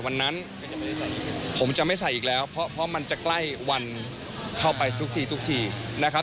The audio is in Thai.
วันนั้นผมจะไม่ใส่อีกแล้วเพราะมันจะใกล้วันเข้าไปทุกทีทุกทีนะครับ